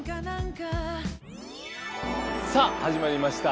さあ始まりました！